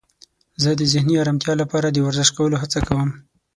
زه د ذهني آرامتیا لپاره د ورزش کولو هڅه کوم.